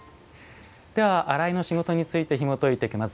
では、「洗いの仕事」についてひもといていきます。